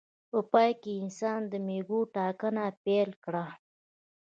په پای کې انسان د مېږو ټاکنه پیل کړه.